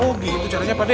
oh gitu caranya pade